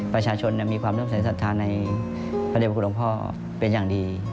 ประชาชนมีความเริ่มใส่ศรัทธาในพระเด็บพระคุณหลวงพ่อเป็นอย่างดี